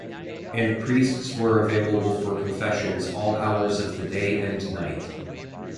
And priests were available for confessions all hours of the day and night.